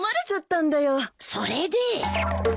それで。